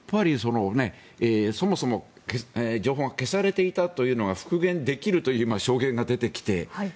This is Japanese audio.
そもそも情報が消されていたというのが復元できるという今、証言が出てきて。